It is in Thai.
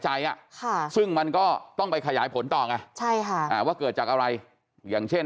ใจซึ่งมันก็ต้องไปขยายผลต่อไงว่าเกิดจากอะไรอย่างเช่น